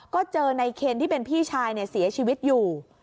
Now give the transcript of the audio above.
ก็เจอในเคนที่เป็นพี่ชายเสียชีวิตอยู่